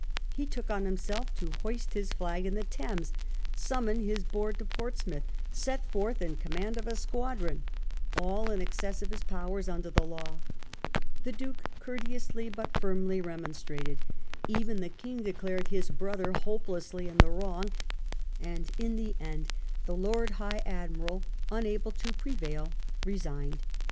He took on himself to hoist his flag in the Thames, summon his board to Portsmouth, set forth in command of a squadron, all in excess of his powers under the law. The Duke firmly but courteously remonstrated, even the King declared his brother hopelessly in the wrong ; X POLITICAL TROUBLES 239 and in the end the Lord High Admiral, unable to prevail, resigned.